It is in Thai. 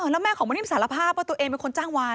แล้วแม่ของมนุนิ่มสารภาพว่าตัวเองเป็นคนจ้างวาน